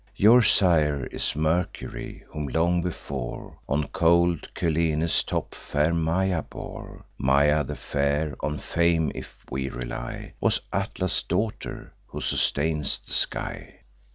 Your sire is Mercury, whom long before On cold Cyllene's top fair Maia bore. Maia the fair, on fame if we rely, Was Atlas' daughter, who sustains the sky.